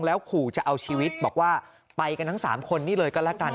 แล้วขู่จะเอาชีวิตบอกว่าไปกันทั้ง๓คนนี่เลยก็แล้วกัน